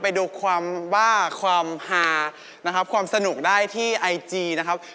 ไปดูความบ้าความฮานะครับความสนุกได้ที่ไอจีนะครับ